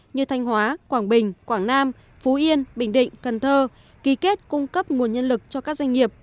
như thanh hóa quảng bình quảng nam phú yên bình định cần thơ ký kết cung cấp nguồn nhân lực cho các doanh nghiệp